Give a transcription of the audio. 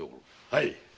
はい。